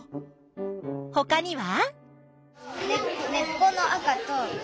ほかには？